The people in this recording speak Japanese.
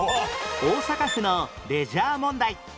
大阪府のレジャー問題